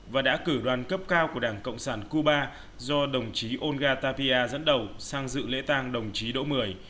và đã cử đoàn cấp cao của đảng cộng sản cuba do đồng chí olga tapia dẫn đầu sang dự lễ tang đồng chí đỗ mười